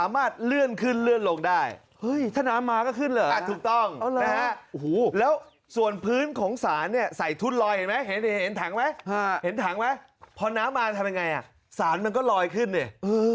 เห็นถังไหมพอน้ำมาทำยังไงอ่ะสารมันก็ลอยขึ้นเนี่ย